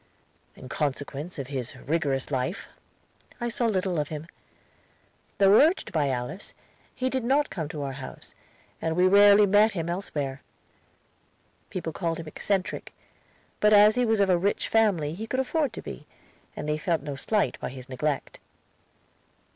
In consequence of his rigorous life, I saw little of him. Though urged by Alice, he did not come to our house, and we rarely met him elsewhere. People called him eccentric, but as he was of a rich family he could afford to be, and they felt no slight by his neglect.